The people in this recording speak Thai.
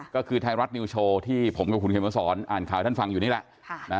ก็คือไทยรัฐนิวโชว์ที่ผมกับคุณเขมสอนอ่านข่าวให้ท่านฟังอยู่นี่แหละ